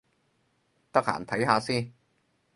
得閒睇下先